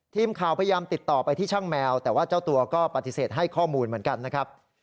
ทีมข่าวพยายามติดต่อไปที่ช่างแมวแต่ว่าเจ้าตัวก็ปฏิเสธให้ข้อมูลเหมือนกันนะครับ